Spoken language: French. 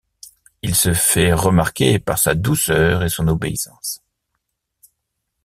Il se fait remarquer par sa douceur et son obéissance.